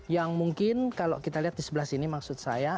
yang mungkin kalau kita lihat di sebelah sini maksud saya